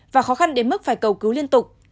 và khó khăn đến mức phải cầu cứu liên tục